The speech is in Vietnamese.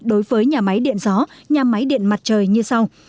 đối với nhà máy điện gió nhà máy điện mặt trời như sau